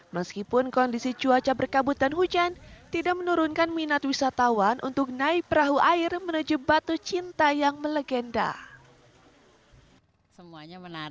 meskipun kondisi cuaca berkabut dan hujan tidak menurunkan minat wisatawan untuk naik perahu air menuju batu cinta yang melegenda